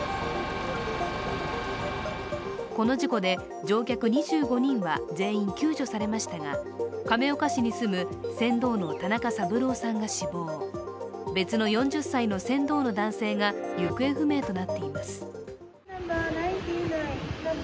この事故で乗客２５人が全員救助されましたが、亀岡市に住む船頭の田中三郎さんが死亡、別の４０歳の船頭の男性が行方不明となっています。